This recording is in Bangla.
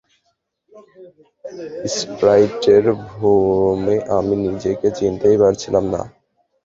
স্প্রাইটের ভ্রমে আমি নিজেকে চিনতেই পারছিলাম না।